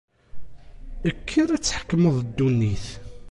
Kker ad tḥekmeḍ ddunit.